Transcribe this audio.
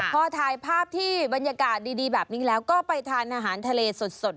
พอถ่ายภาพที่บรรยากาศดีแบบนี้แล้วก็ไปทานอาหารทะเลสด